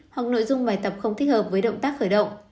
hoặc nội dung bài tập không thích hợp với động tác khởi động